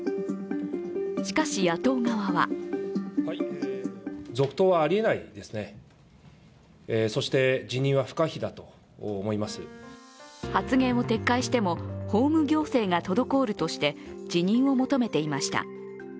しかし野党側は発言を撤回しても、法務行政が滞るとして辞任を求めていました。